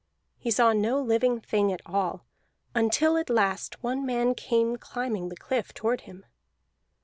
He saw no living thing at all, until at the last one man came climbing the cliff toward him.